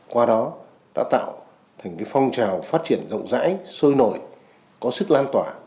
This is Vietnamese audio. qua đó đã tạo thành phong trào phát triển rộng rãi sôi nổi có sức lan tỏa